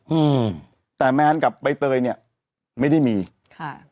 อืมแต่แมนกับใบเตยเนี้ยไม่ได้มีค่ะ